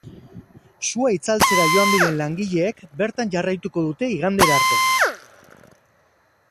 Sua itzaltzera joan diren langileek bertan jarraituko dute igandera arte.